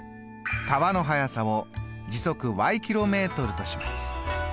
川の速さを時速ｋｍとします。